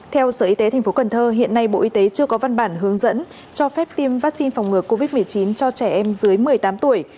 theo sở y tế tp cần thơ hiện nay bộ y tế chưa có văn bản hướng dẫn cho phép tiêm vaccine phòng ngừa covid một mươi chín cho trẻ em dưới một mươi tám tuổi